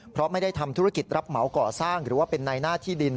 เพราะไม่ได้ทำธุรกิจรับเหมาก่อสร้างหรือว่าเป็นในหน้าที่ดิน